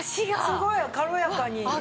すごい軽やかに。